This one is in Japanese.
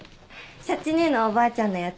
シャチ姉のはおばあちゃんのやつ。